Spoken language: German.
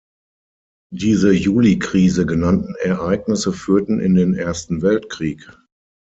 Diese Julikrise genannten Ereignisse führten in den Ersten Weltkrieg.